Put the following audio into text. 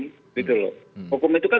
hukum itu kan selalu berhubungan dengan hukum